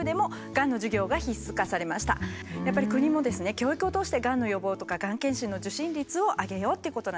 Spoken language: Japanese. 教育を通してがんの予防とかがん検診の受診率を上げようっていうことなんですね。